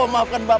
kau mencari hatiku